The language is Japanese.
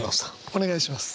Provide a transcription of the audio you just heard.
お願いします。